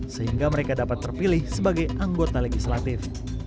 sehingga mereka dapat terpilih sebagai anggota legislatif